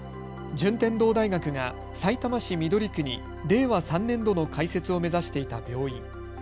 順天堂大学がさいたま市緑区に令和３年度の開設を目指していた病院。